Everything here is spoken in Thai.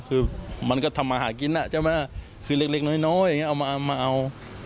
คือมันก็ทำอาหารกินนะใช่ไหมคือเล็กน้อยออกมาเอา